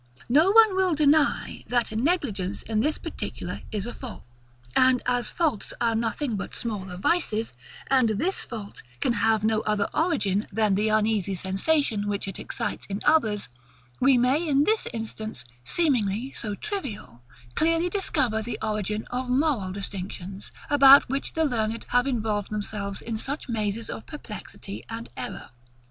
No one will deny, that a negligence in this particular is a fault; and as faults are nothing but smaller vices, and this fault can have no other origin than the uneasy sensation which it excites in others; we may, in this instance, seemingly so trivial, clearly discover the origin of moral distinctions, about which the learned have involved themselves in such mazes of perplexity and error.